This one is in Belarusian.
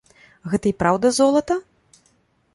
Гэта і праўда золата?